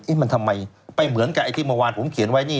มันทำไมไปเหมือนกับไอ้ที่เมื่อวานผมเขียนไว้นี่